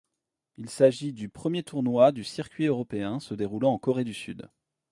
Il s'agit du premier tournoi du circuit européen se déroulant en Corée du Sud.